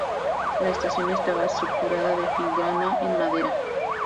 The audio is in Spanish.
La estación estaba estructurada de filigrana en madera.